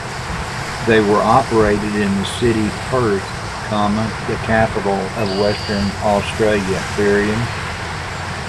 They were operated in the city Perth, the capital of Western Australia.